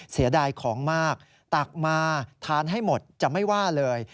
เสียดายของมากตักมาทานให้หมดจะไม่ว่าเลย